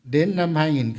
đến năm hai nghìn ba mươi